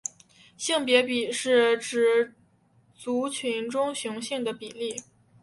性别比是指族群中雄性的比率。